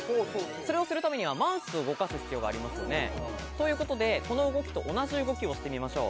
それをするためにはマウスを動かす必要がありますよね。ということで、この動きと同じ動きをしてみましょう。